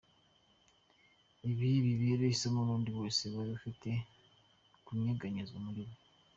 Ibi bibere isomo n'undi wese wari ufite kunyeganyezwa muri we.